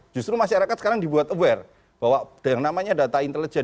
justru masyarakat sekarang dibuat aware bahwa yang namanya data intelijen